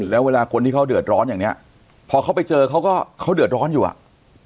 แล้วเวลาคนที่เขาเดือดร้อนอย่างเนี้ยพอเขาไปเจอเขาก็เขาเดือดร้อนอยู่อ่ะ